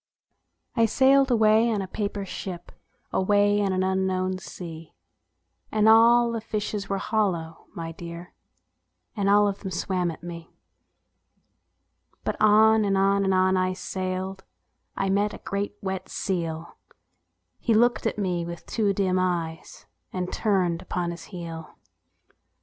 I sailed away in a paper ship, Away on an unknown sea ; And all the fishes were hollow, my dear, And all of them swam at me. 76 ANYHOW STORIES. [STORY vi. But on and on and on I sailed ; I met a great wet seal, He looked at me with two dim eyes, And turned upon his heel.